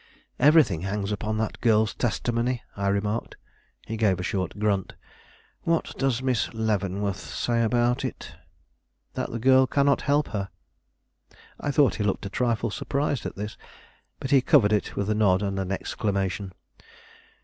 "Everything hangs upon that girl's testimony," I remarked. He gave a short grunt. "What does Miss Leavenworth say about it?" "That the girl cannot help her." I thought he looked a trifle surprised at this, but he covered it with a nod and an exclamation.